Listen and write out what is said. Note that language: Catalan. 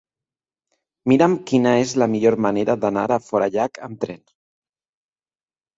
Mira'm quina és la millor manera d'anar a Forallac amb tren.